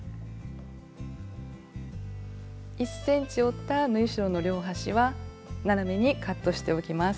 １ｃｍ折った縫い代の両端は斜めにカットしておきます。